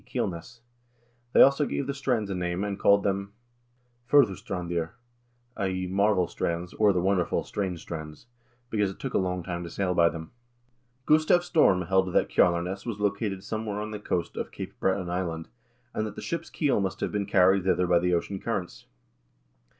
Keel ness). They also gave the strands a name and called them 'Fur'Su strandir' (i.e. Marvel Strands, or the wonderful, strange strands), because it took a long time to sail by them." Gustav Storm held that Kjalarnes was located somewhere on the coast of Cape Breton Island, and that the ship's keel must have been carried thither by the ocean currents.